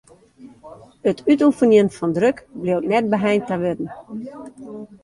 It útoefenjen fan druk bliuwt net beheind ta wurden.